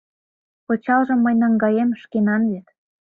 Пычалжым мый наҥгаем, шкенан вет.